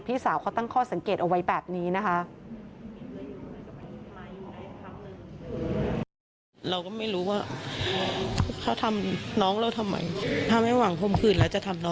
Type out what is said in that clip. สาวเขาตั้งข้อสังเกตเอาไว้แบบนี้นะคะ